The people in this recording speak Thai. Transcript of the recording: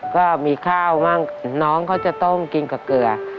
ก็มีข้าวมั่งน้องเขาจะต้มกินกับเกลือ